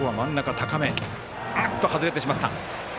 外れてしまった。